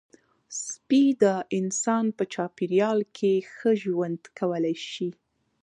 سپي د انسان په چاپېریال کې ښه ژوند کولی شي.